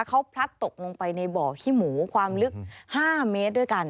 เขาพลัดตกลงไปในบ่อขี้หมูความลึก๕เมตรด้วยกัน